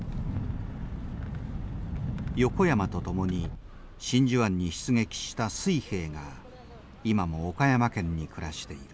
横山と共に真珠湾に出撃した水兵が今も岡山県に暮らしている。